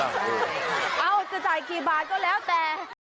เอาจะจ่ายกี่บาทก็แล้วแต่